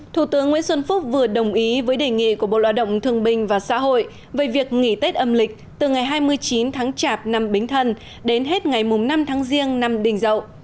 thủ tướng nguyễn xuân phúc vừa đồng ý với đề nghị của bộ lo động thương bình và xã hội về việc nghỉ tết âm lịch từ ngày hai mươi chín tháng chạp năm bính thân đến hết ngày năm tháng riêng năm đình dậu